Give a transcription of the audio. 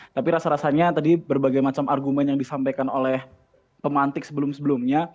tapi rasa rasanya tadi berbagai macam argumen yang disampaikan oleh pemantik sebelum sebelumnya